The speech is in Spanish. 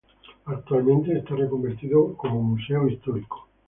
Actualmente está reconvertido como museo histórico.